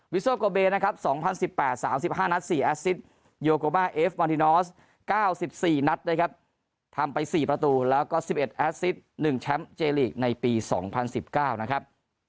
โซโกเบนะครับ๒๐๑๘๓๕นัด๔แอสซิสโยโกมาเอฟมารินอส๙๔นัดนะครับทำไป๔ประตูแล้วก็๑๑แอสซิส๑แชมป์เจลีกในปี๒๐๑๙นะครับ